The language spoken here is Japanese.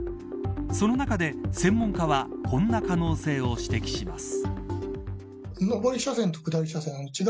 その中で、専門家はこんな可能性を指摘します。